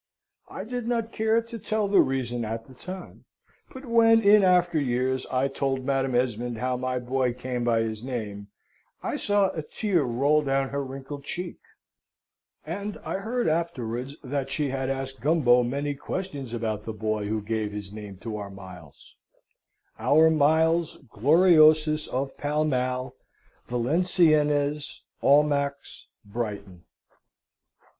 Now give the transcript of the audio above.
I did not care to tell the reason at the time; but when, in after years, I told Madam Esmond how my boy came by his name, I saw a tear roll down her wrinkled cheek, and I heard afterwards that she had asked Gumbo many questions about the boy who gave his name to our Miles our Miles Gloriosus of Pall Mall, Valenciennes, Almack's, Brighton.